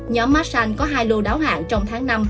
nhóm massain có hai lô đáo hạn trong tháng năm